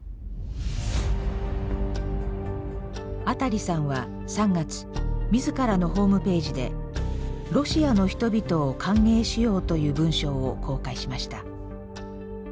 アタリさんは３月自らのホームページで「ロシアの人々を歓迎しよう」という文章を公開しました。